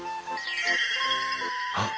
あっ！